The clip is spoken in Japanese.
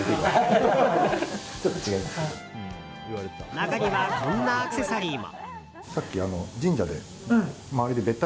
中には、こんなアクセサリーも。